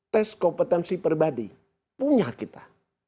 tes kompetensi pribadi punya kita